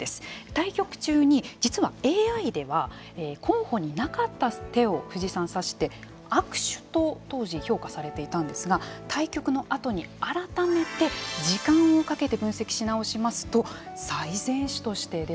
対局中に実はＡＩでは候補になかった手を藤井さんは指して悪手と当時評価されていたんですが対局のあとに改めて時間をかけて分析し直しますと最善手として出たんですね。